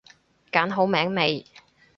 揀好名未？